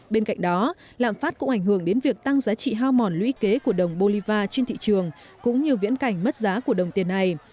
bên cạnh đó lạm phát cũng ảnh hưởng đến việc tăng giá trị hao mòn lũy kế của đồng bolivar trên thị trường cũng như viễn cảnh mất giá của đồng tiền này